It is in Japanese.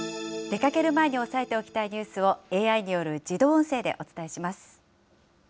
出かける前に押さえておきたいニュースを、ＡＩによる自動音